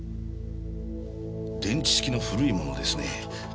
電池式の古いものですね。